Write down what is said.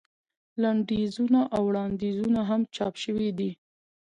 لنډیزونه او وړاندیزونه هم چاپ شوي دي.